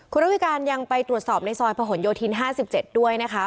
คุณรับพิการยังไปตรวจสอบในซอยผลถ์โยธินห้าสิบเจ็ดด้วยนะคะ